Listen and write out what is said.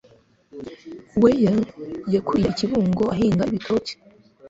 Weya yakuriye I kibungo ahinga ibitoki.